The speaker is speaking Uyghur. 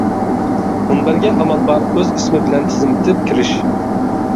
مۇنبەرگە ئامال بار ئۆز ئىسمى بىلەن تىزىملىتىپ كىرىش.